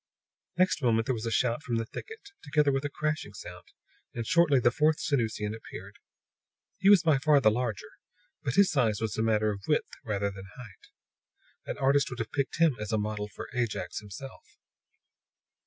Next moment there was a shout from the thicket, together with a crashing sound; and shortly the fourth Sanusian appeared. He was by far the larger; but his size was a matter of width rather than of height. An artist would have picked him as a model for Ajax himself.